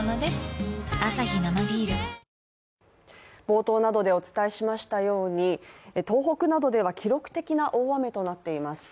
冒頭などでお伝えしましたように東北などでは記録的な大雨となっています。